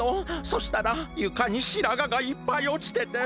そしたらゆかにしらががいっぱいおちてて。